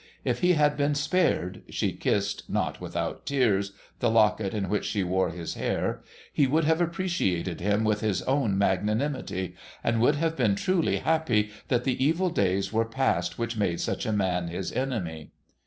If He had been spared,' she kissed (not without tears) the locket in which she wore his hair, ' he would have appreciated him with his own magnanimity, and would have been truly happy that the evil days were past which made such a man his enemy.'